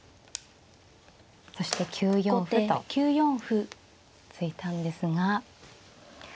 そして９四歩と突いたんですが。